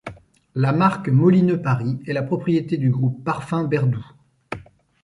La marque Molyneux Paris est la propriété du groupe Parfums Berdoues.